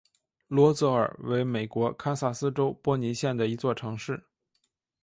罗泽尔为美国堪萨斯州波尼县的一座城市。